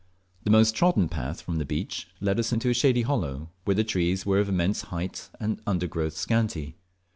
The most trodden path from the beach led us into a shady hollow, where the trees were of immense height and the undergrowth scanty.